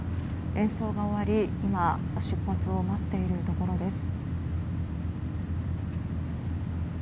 演奏が終わり、今出発を待っているところです。